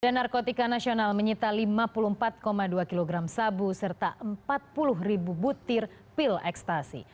dan narkotika nasional menyita lima puluh empat dua kg sabu serta empat puluh ribu butir pil ekstasi